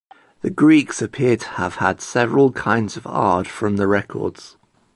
The Greeks appear to have had several kinds of ard from the records.